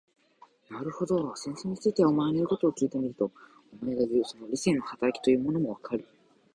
なるほど、戦争について、お前の言うことを聞いてみると、お前がいう、その理性の働きというものもよくわかる。